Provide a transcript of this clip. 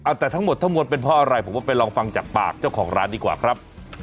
แต่ทั้งหมดทั้งมวลเป็นเพราะอะไรผมว่าไปลองฟังจากปากเจ้าของร้านดีกว่าครับ